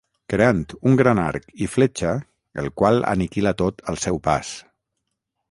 Creant un gran arc i fletxa el qual aniquila tot al seu pas.